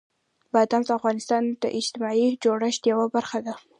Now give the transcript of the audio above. بادام د افغانستان د اجتماعي جوړښت یوه برخه ده.